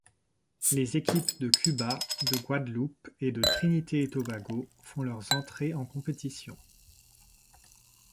Les équipes de Cuba, de Guadeloupe et de Trinité-et-Tobago font leurs entrées en compétition.